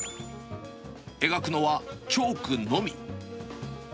描くのはチョークのみ。